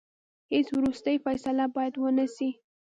هیڅ وروستۍ فیصله باید ونه سي.